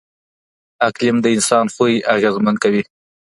اقليم د انساني خوی اغېزمن کوي.